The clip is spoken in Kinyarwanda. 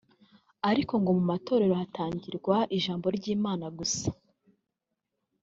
ariko ngo mu matorero hatangirwa ijambo ry’Imana gusa